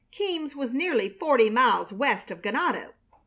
Keams was nearly forty miles west of Ganado.